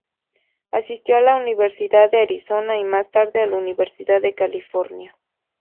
Asistió a la Universidad de Arizona y más tarde a la Universidad de California.